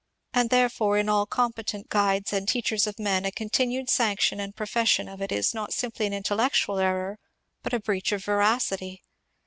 406 MONCUBE DANIEL CONWAY and therefore in all competent guides and teachers of men a continued sanction and profession of it is not simply an intel lectual error, but a breach of veracity.